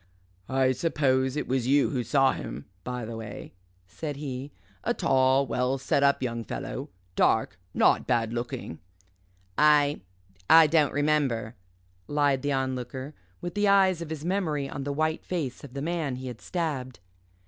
"I suppose it was you who saw him, by the way," said he, "a tall, well set up young fellow dark not bad looking." "I I don't remember," lied the Onlooker, with the eyes of his memory on the white face of the man he had stabbed.